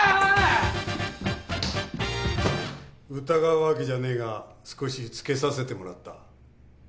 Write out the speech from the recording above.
疑うわけじゃねえが少しつけさせてもらった。